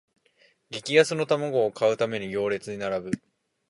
激安の玉子を買うために行列に並ぶ